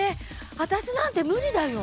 わたしなんて無理だよ。